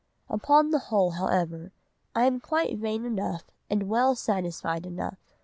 Upon the whole, however, I am quite vain enough and well satisfied enough.